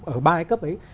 ở ba cấp ấy